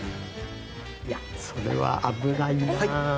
いやそれは危ないなぁ。